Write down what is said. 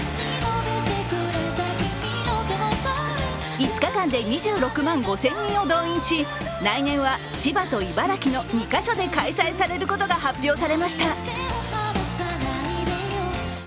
５日間で２６万５０００人を動員し来年は千葉と茨城の２か所で開催されることが発表されました。